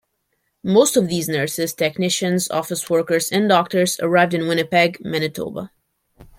Most of these nurses, technicians, office workers and doctors arrived in Winnipeg, Manitoba.